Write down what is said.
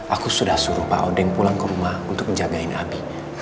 aku sudah suruh pak odeng pulang ke rumah untuk menjaga api